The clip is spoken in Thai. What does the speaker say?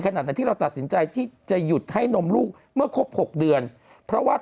ขณะนั้นที่เราตัดสินใจที่จะหยุดให้นมลูกเมื่อครบ๖เดือนเพราะว่า